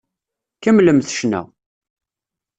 Kemmlemt ccna!